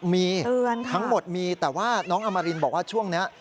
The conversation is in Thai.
มีทั้งหมดมีแต่ว่าน้องอมรินบอกว่าช่วงนี้